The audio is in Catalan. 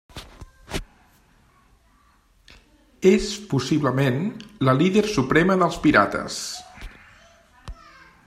És possiblement, la líder suprema dels Pirates.